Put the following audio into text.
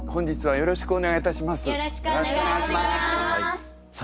よろしくお願いします。